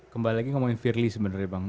kembali lagi ngomongin firly sebenarnya bang